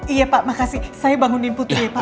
iya pak makasih saya bangunin putri pak